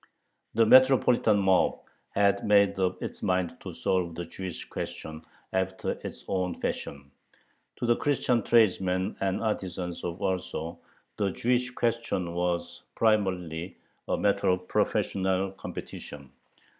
The metropolitan mob had made up its mind to solve the Jewish question after its own fashion. To the Christian tradesmen and artisans of Warsaw the Jewish question was primarily a matter of professional competition.